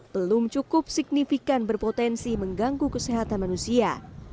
belum cukup signifikan berpotensi mengganggu kesehatan manusia